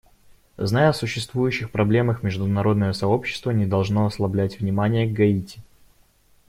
Зная о существующих проблемах, международное сообщество не должно ослаблять внимания к Гаити.